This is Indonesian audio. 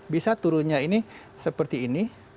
bisa turunnya ini seperti ini